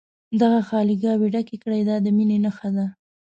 دغه خالي ګاوې ډکې کړي دا د مینې نښه ده.